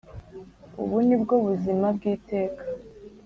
Ubu ni bwo buzima bw iteka